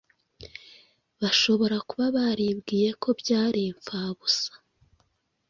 bashobora kuba baribwiye ko byari impfabusa